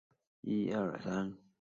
儿子终于睡着